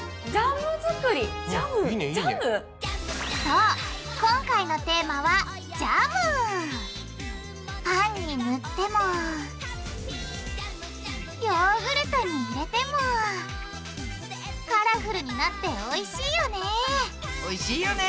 そう今回のテーマはパンに塗ってもヨーグルトに入れてもカラフルになっておいしいよねおいしいよね。